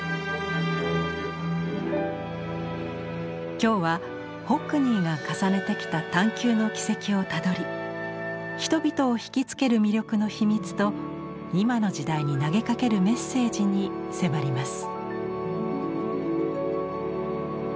今日はホックニーが重ねてきた探求の軌跡をたどり人々をひきつける魅力の秘密と今の時代に投げかけるメッセージに迫ります。